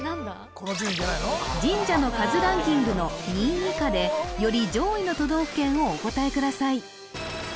神社の数ランキングの２位以下でより上位の都道府県をお答えください